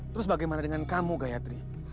terus bagaimana dengan kamu gayatri